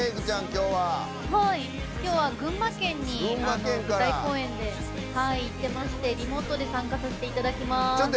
きょうは群馬県に舞台公演で行ってましてリモートで参加させていただきます。